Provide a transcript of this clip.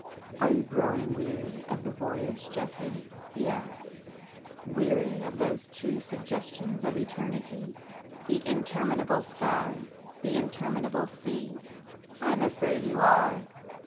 "Are you growing weary of the voyage Geoffrey?" he asked—"Weary of those two suggestions of eternity—the interminable sky, the interminable sea? I am afraid you are!